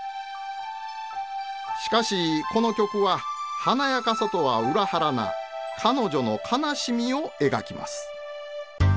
しかしこの曲は華やかさとは裏腹な彼女の悲しみを描きます。